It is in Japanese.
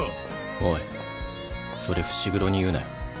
おいそれ伏黒に言うなよ。